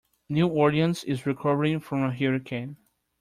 New Orleans is recovering from a hurricane.